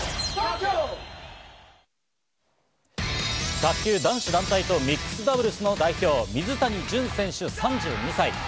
卓球男子団体とミックスダブルスの代表・水谷隼選手、３２歳。